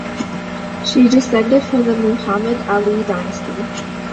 She descended from the Muhammad Ali Dynasty.